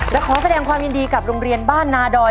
และขอแสดงความยินดีกับโรงเรียนบ้านนาดอย